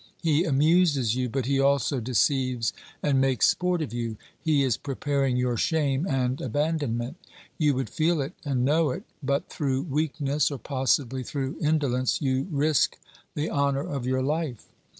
He amuses you, but he also deceives and makes sport of you ; he is preparing your shame and abandon ment. You would feel it and know it, but through weak ness, or possibly through indolence, you risk the honour of your life.